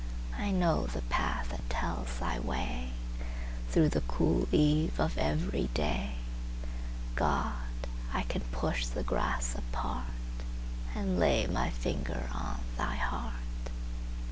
I know the path that tells Thy wayThrough the cool eve of every day; God, I can push the grass apartAnd lay my finger on Thy heart!